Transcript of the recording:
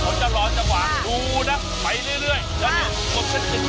ซึ่งจะบอกเลยว่ารวบรวมมาจากทั่วประเภทและยกมากจริง